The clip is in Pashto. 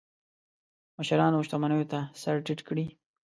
مشرانو او شتمنو ته سر ټیټ کړي.